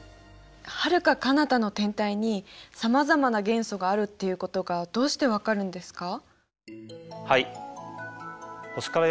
はるかかなたの天体にさまざまな元素があるっていうことがどうしてわかるんですか？